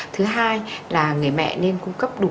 thứ hai là người mẹ nên cung cấp đủ